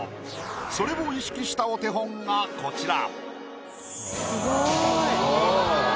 それを意識したお手本がこちら。